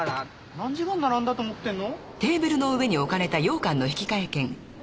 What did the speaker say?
何時間並んだと思ってんの。